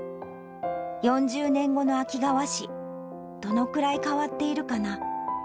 ４０年後の秋川市、どのくらい変わっているかな。